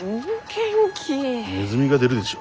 ネズミが出るでしょ？